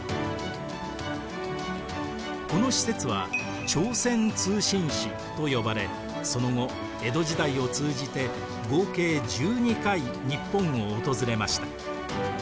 この使節は朝鮮通信使と呼ばれその後江戸時代を通じて合計１２回日本を訪れました。